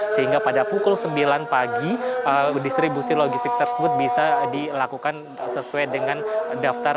sehingga pada pukul sembilan pagi distribusi logistik tersebut bisa dilakukan sesuai dengan daftar